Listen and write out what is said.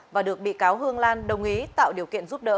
và được bị cáo hương lan đồng ý tạo điều kiện giúp đỡ